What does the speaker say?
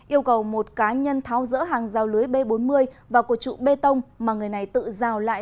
yêu cầu một cá nhân tháo rỡ hàng rào lưới b bốn mươi và cổ trụ bê tông mà người này tự rào lại